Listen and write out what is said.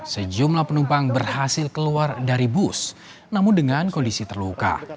sejumlah penumpang berhasil keluar dari bus namun dengan kondisi terluka